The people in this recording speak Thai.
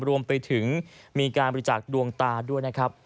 รวมไปถึงมีการบริจาคดวงตาด้วยนะครับ